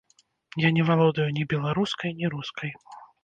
Я не валодаю ні беларускай, ні рускай.